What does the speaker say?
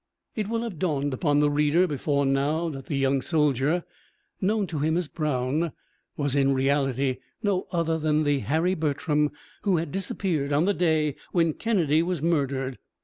It will have dawned upon the reader before now that the young soldier known to him as Brown was in reality no other than the Harry Bertram who had disappeared on the day when Kennedy was murdered.